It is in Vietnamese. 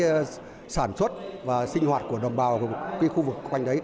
cái sản xuất và sinh hoạt của đồng bào cái khu vực quanh đấy